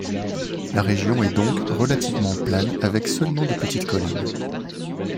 La région est donc relativement plane avec seulement de petites collines.